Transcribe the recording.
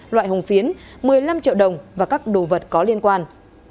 loại hồng phiến một mươi năm triệu đồng và các đồ vật có liên quan